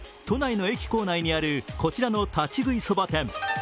都内の駅構内にあるこちらの立ち食いそば店。